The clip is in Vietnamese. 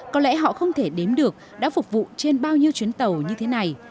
có lẽ họ không thể đếm được đã phục vụ trên bao nhiêu chuyến tàu như thế này